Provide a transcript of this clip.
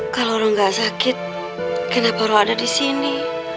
kalau rok gak sakit kenapa rok ada di sini